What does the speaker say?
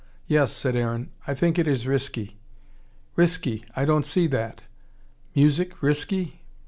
"Yes," said Aaron. "I think it is risky." "Risky! I don't see that! Music risky?